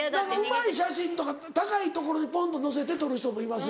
うまい写真とか高い所にぽんと乗せて撮る人もいますよね。